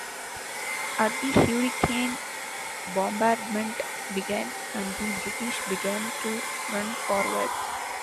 At the hurricane bombardment began and the British began to run forward.